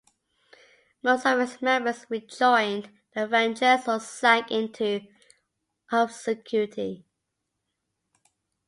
Most of its members rejoined the Avengers or sank into obscurity.